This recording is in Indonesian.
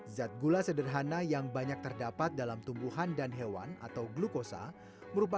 zat gula sederhana yang banyak terdapat dalam tumbuhan dan heliopteri